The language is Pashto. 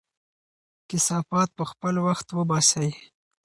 کثافات په خپل وخت وباسئ.